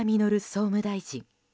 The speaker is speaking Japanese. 総務大臣。